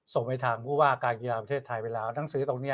ส่งไปทางผู้ว่าการกีฬาประเทศไทยไปแล้วทั้งซื้อตรงนี้